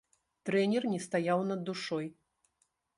Трэнер не стаяў над душой.